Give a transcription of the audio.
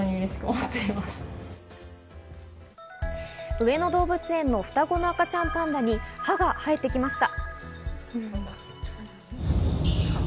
上野動物園の双子の赤ちゃんパンダに歯が生えてきました。